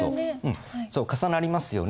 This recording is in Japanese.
重なりますよね。